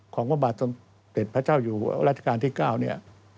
ของพระบาทสมเต็จพระเจ้าอยู่รัฐกาลที่๙